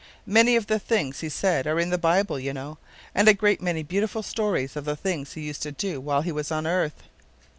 Many of the things He said are in the Bible, you know, and a great many beautiful stories of the things He used to do while He was on earth.